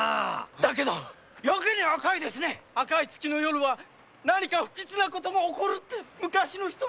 だけどやけに赤いですね赤い月の夜は不吉な事が起こるって昔の人は。